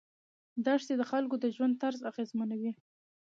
دښتې د خلکو د ژوند طرز اغېزمنوي.